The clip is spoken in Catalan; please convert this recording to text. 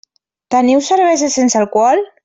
Teniu cervesa sense alcohol?